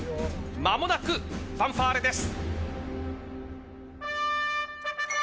まもなく、ファンファーレです。